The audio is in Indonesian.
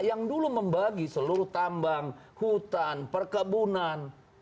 yang dulu membagi seluruh tambang hutan perkebunan